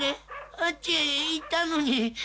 あっちへ行ったのに。